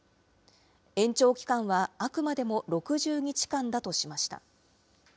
延長期間はあくまでも６０日間だとしました。